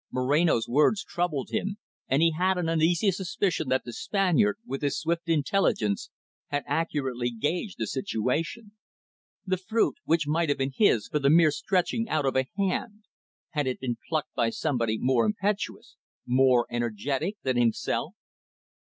Moreno's words troubled him, and he had an uneasy suspicion that the Spaniard, with his swift intelligence, had accurately gauged the situation. The fruit which might have been his for the mere stretching out of the hand had it been plucked by somebody more impetuous, more energetic than himself?